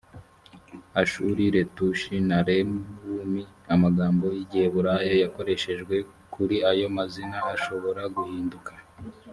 ashuri letushi na lewumi amagambo y’igiheburayo yakoreshejwe kuri ayo mazina ashobora guhinduka